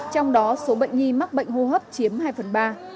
trong đó số bệnh nhi mắc bệnh hô hấp chiếm hai phần ba